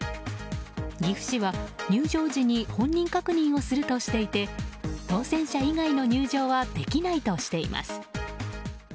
岐阜市は入場時に本人確認をするとしていて当選者以外の入場はできないとしています。